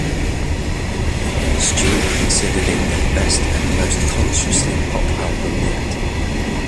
Stewart considered it their best and most consciously pop album yet.